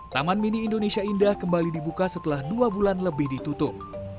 taman mini indonesia indah kembali dibuka setelah dua bulan lebih ditutup